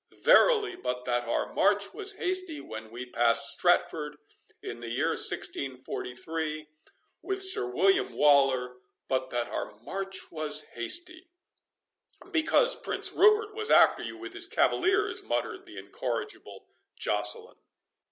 Verily but that our march was hasty when we passed Stratford, in the year 1643, with Sir William Waller; but that our march was hasty"— "Because Prince Rupert was after you with his cavaliers," muttered the incorrigible Joceline.